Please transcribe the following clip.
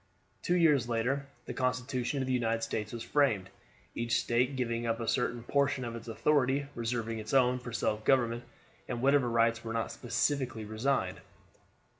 Two years later the constitution of the United States was framed, each State giving up a certain portion of its authority, reserving its own self government and whatever rights were not specifically resigned.